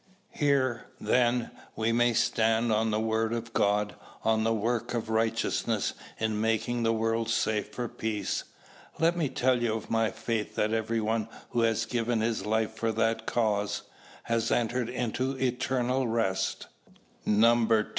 Here, then, we may stand on the Word of God, on the work of righteousness in making the world safe for peace. Let me tell you of my faith that every one who has given his life for that cause, has entered into eternal rest. II.